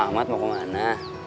selamat mau kemana